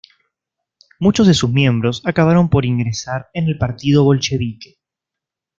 Muchos de sus miembros acabaron por ingresar en el partido bolchevique.